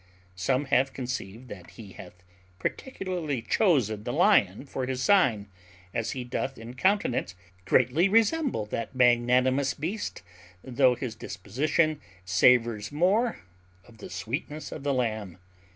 Some have conceived that he hath particularly chosen the lion for his sign, as he doth in countenance greatly resemble that magnanimous beast, though his disposition savours more of the sweetness of the lamb.